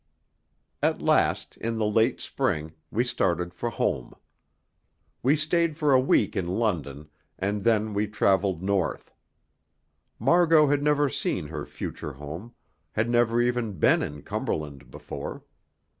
At last, in the late spring, we started for home. We stayed for a week in London, and then we travelled north. Margot had never seen her future home, had never even been in Cumberland before.